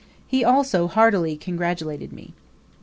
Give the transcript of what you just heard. He also heartily congratulated me.